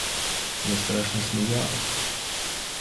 Я страшно смеялась.